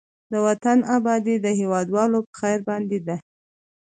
د وطن آبادي د هېوادوالو په خير باندې ده.